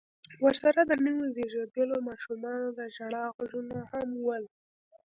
ورسره د نويو زيږېدليو ماشومانو د ژړا غږونه هم و.